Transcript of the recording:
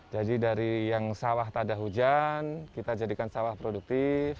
jadi dari yang sawah tak ada hujan kita jadikan sawah produktif